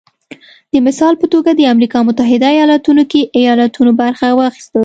د مثال په توګه د امریکا متحده ایالتونو کې ایالتونو برخه واخیسته